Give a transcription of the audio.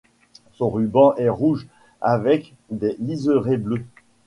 Son ruban est rouge avec des liserés bleus.